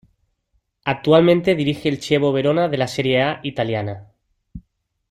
Actualmente dirige al Chievo Verona de la Serie A italiana.